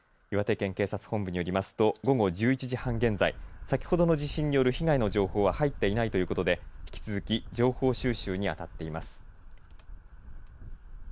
岩手県警察本部によりますと午後１１時半現在先ほどの地震による被害の情報は入っていないということで引き続き情報収集にあたっています。